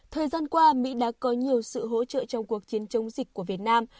thời gian qua mỹ đã có nhiều sự hỗ trợ trong cuộc chiến chống dịch của việt nam